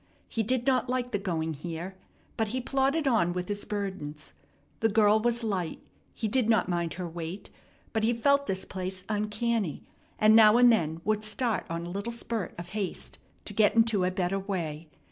He did not like the going here, but he plodded on with his burdens. The girl was light; he did not mind her weight; but he felt this place uncanny, and now and then would start on a little spurt of haste, to get into a better way.